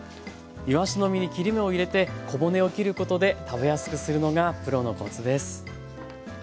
いわしの身に切り身を入れて小骨を切ることで食べやすくするのがプロのコツです。